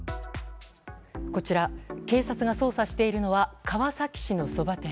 こちら警察が捜査しているのは川崎市のそば店。